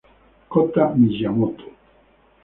Kota Miyamoto